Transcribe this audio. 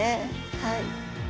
はい。